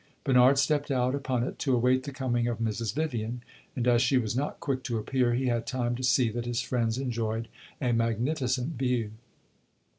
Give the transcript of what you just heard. Bernard stepped out upon it to await the coming of Mrs. Vivian, and, as she was not quick to appear, he had time to see that his friends enjoyed a magnificent view.